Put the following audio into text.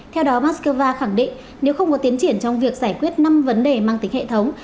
theo đó moscow khẳng định nếu không có tiến triển trong việc giải quyết năm vấn đề mang tính hệ thống